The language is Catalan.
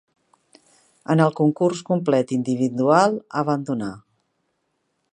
En el concurs complet individual abandonà.